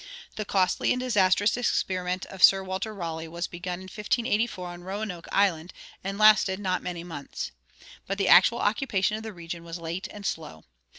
The costly and disastrous experiment of Sir Walter Raleigh was begun in 1584 on Roanoke Island, and lasted not many months. But the actual occupation of the region was late and slow.